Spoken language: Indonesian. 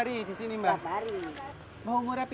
okes tersenyum jadi memang keoderan lagi